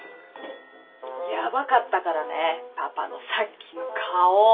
やばかったからねパパのさっきの顔。